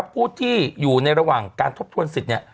ผู้ที่อยู่ในระหว่างการทบทวนสิทธิ์